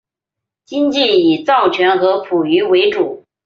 经济以造船和捕鱼为主。